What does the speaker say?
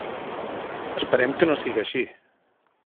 Esperem que no siga així.